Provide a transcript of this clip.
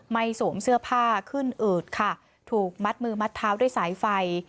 สวมเสื้อผ้าขึ้นอืดค่ะถูกมัดมือมัดเท้าด้วยสายไฟ